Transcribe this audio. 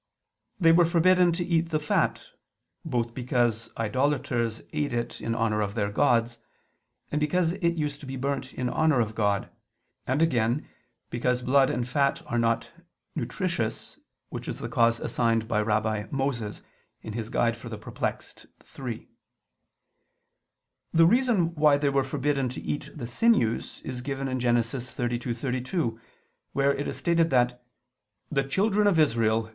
They were forbidden to eat the fat: both because idolaters ate it in honor of their gods; and because it used to be burnt in honor of God; and, again, because blood and fat are not nutritious, which is the cause assigned by Rabbi Moses (Doct. Perplex. iii). The reason why they were forbidden to eat the sinews is given in Gen. 32:32, where it is stated that "the children of Israel